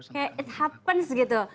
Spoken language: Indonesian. kayak it happens gitu